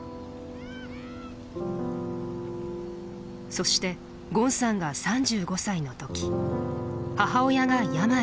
そしてゴンさんが３５歳の時母親が病に倒れた。